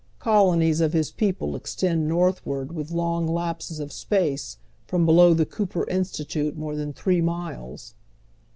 Colonies of bis people extend northward, with long lapses of space, from below the Cooper Institute more than three miles.